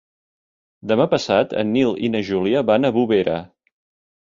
Demà passat en Nil i na Júlia van a Bovera.